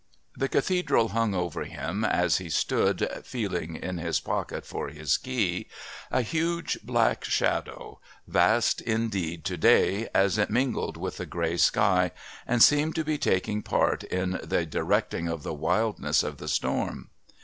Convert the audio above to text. The Cathedral hung over him, as he stood, feeling in his pocket for his key, a huge black shadow, vast indeed to day, as it mingled with the grey sky and seemed to be taking part in the directing of the wildness of the storm.